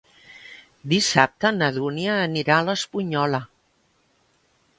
Dissabte na Dúnia anirà a l'Espunyola.